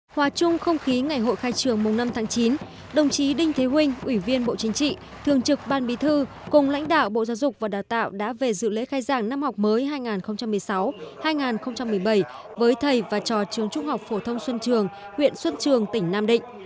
hòa chung không khí ngày hội khai trường mùng năm tháng chín đồng chí đinh thế huynh ủy viên bộ chính trị thường trực ban bí thư cùng lãnh đạo bộ giáo dục và đào tạo đã về dự lễ khai giảng năm học mới hai nghìn một mươi sáu hai nghìn một mươi bảy với thầy và trò trường trung học phổ thông xuân trường huyện xuân trường tỉnh nam định